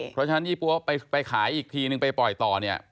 เพราะฉะนั้นยี่ปั๊วไปขายอีกทีนึงไปปล่อยต่อเนี่ย